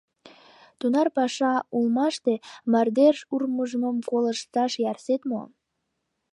Тунар паша улмаште мардеж урмыжмым колышташ ярсет мо?